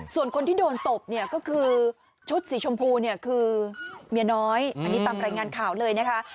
ส่วนคนที่โดนตบเนี่ยก็คือชุดสีชมพูเนี่ยคือเมียน้อยอันนี้ตามรายงานข่าวเลยนะคะ